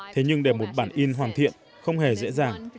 thế nhưng để một bản in hoàn thiện không hề dễ dàng